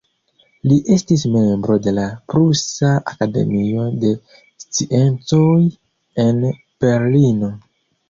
Li estis membro de la Prusa Akademio de Sciencoj en Berlino.